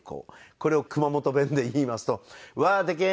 これを熊本弁で言いますと「わあーでけん。